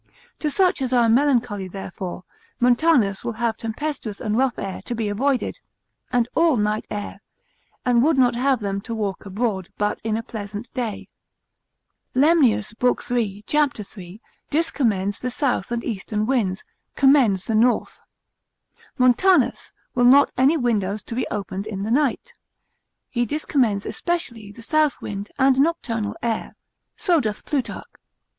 To such as are melancholy therefore, Montanus, consil. 24, will have tempestuous and rough air to be avoided, and consil. 27, all night air, and would not have them to walk abroad, but in a pleasant day. Lemnius, l. 3. c. 3, discommends the south and eastern winds, commends the north. Montanus, consil. 31. Will not any windows to be opened in the night. Consil. 229. et consil. 230, he discommends especially the south wind, and nocturnal air: So doth Plutarch.